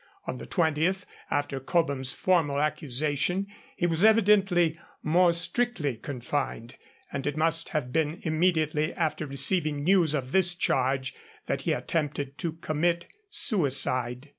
On the 20th, after Cobham's formal accusation, he was evidently more strictly confined, and it must have been immediately after receiving news of this charge that he attempted to commit suicide.